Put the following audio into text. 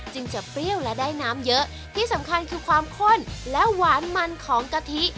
จึงจะเปรี้ยวและได้น้ำเยอะที่สำคัญคือความข้นและหวานมันของกะทิ